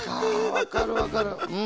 わかるわかるうん。